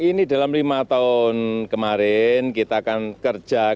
ya ini dalam lima tahun kemarin kita akan kerja kerja kerja